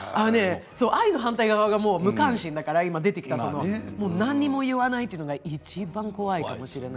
愛の反対側が無関心だから何も言わないっていうのがいちばん怖いかもしれない。